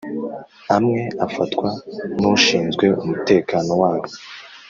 umwe afatwa n’ushinzwe umutekano waho